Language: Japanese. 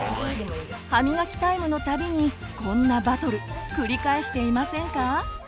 歯みがきタイムのたびにこんなバトル繰り返していませんか？